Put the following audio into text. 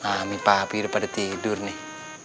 wah mami papi udah pada tidur nih